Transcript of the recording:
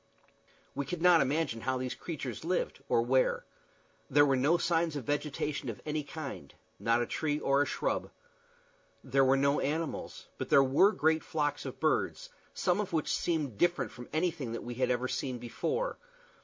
We could not imagine how these creatures lived, or where. There were no signs of vegetation of any kind not a tree or a shrub. There were no animals; but there were great flocks of birds, some of which seemed different from anything that we had ever seen before.